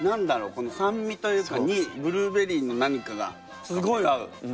この酸味というかにブルーベリーの何かがすごい合う！